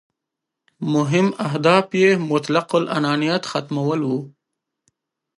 مهم اهداف یې مطلق العنانیت ختمول وو.